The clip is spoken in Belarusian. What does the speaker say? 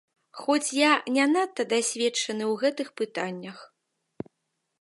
Хоць я не надта дасведчаны ў гэтых пытаннях.